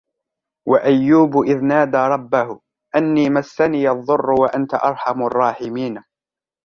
وأيوب إذ نادى ربه أني مسني الضر وأنت أرحم الراحمين